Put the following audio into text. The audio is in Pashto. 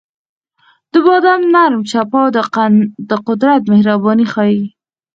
د باد نرم چپاو د قدرت مهرباني ښيي.